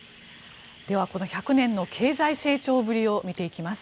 １００年の経済成長ぶりを見ていきます。